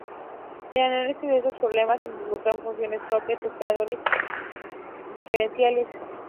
El análisis de estos problemas involucran funciones propias y operadores diferenciales.